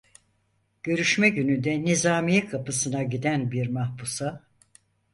Görüşme gününde nizamiye kapısına giden bir mahpusa: